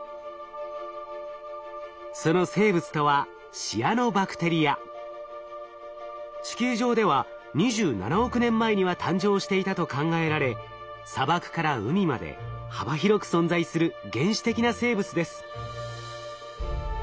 その生物とは地球上では２７億年前には誕生していたと考えられ砂漠から海まで幅広く存在する原始的な生物です。